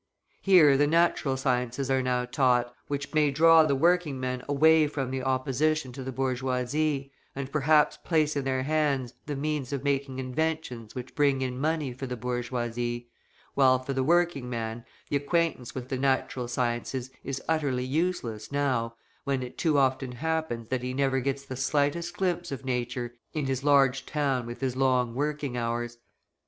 Here the natural sciences are now taught, which may draw the working men away from the opposition to the bourgeoisie, and perhaps place in their hands the means of making inventions which bring in money for the bourgeoisie; while for the working man the acquaintance with the natural sciences is utterly useless now when it too often happens that he never gets the slightest glimpse of Nature in his large town with his long working hours.